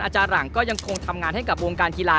หลังก็ยังคงทำงานให้กับวงการกีฬา